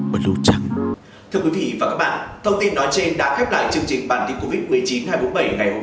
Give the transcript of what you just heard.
thưa quý vị và các bạn thông tin nói trên đã khép lại chương trình bản tin covid một mươi chín hai trăm bốn mươi bảy ngày hôm nay